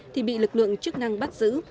thì bị lực lượng chức năng bắt giữ